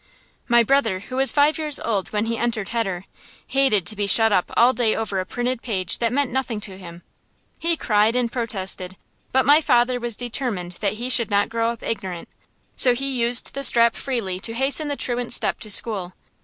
My brother, who was five years old when he entered heder, hated to be shut up all day over a printed page that meant nothing to him. He cried and protested, but my father was determined that he should not grow up ignorant, so he used the strap freely to hasten the truant's steps to school.